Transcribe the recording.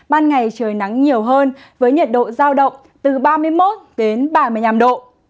ban ngày trời nắng nhiều hơn với nhiệt độ giao động từ ba mươi một đến ba mươi năm độ